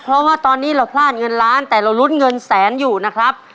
เพราะว่าตอนนี้เราพลาดเงินล้านแต่เรารุ้นเงินแสนอยู่นะครับ